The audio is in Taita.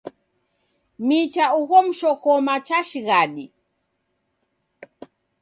Micha ugho mshokoma cha shighadi.